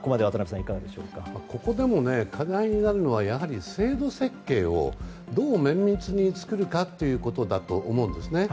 ここでも課題になるのは制度設計をどう作るかだと思うんですよね。